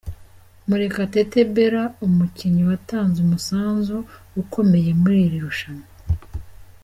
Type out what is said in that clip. Murekatetet Bella umukinnyi watanze umusanzu ukomeye muri iri rushanwa .